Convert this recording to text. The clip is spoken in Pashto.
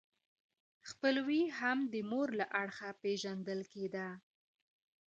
خپلوي هم د مور له اړخه پیژندل کیده.